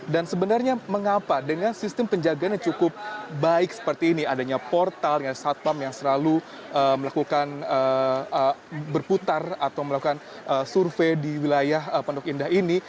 dan sebenarnya mengapa dengan sistem penjagaannya cukup baik seperti ini adanya portal yang selalu melakukan berputar atau melakukan survei di wilayah pondok indah ini